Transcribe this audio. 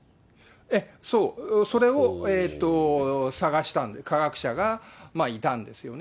そう、それを探したんで、科学者がいたんですよね。